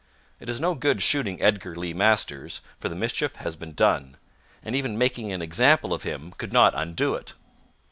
It is no good shooting Edgar Lee Masters, for the mischief has been done, and even making an example of him could not undo it.